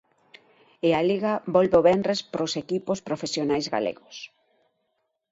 E a Liga volve o venres para os equipos profesionais galegos.